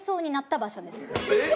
えっ！